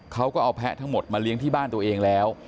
เขาก็เอาแพะทั้งหมดมาเลี้ยงที่บ้านตัวเองแล้ว